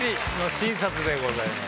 新撮でございます。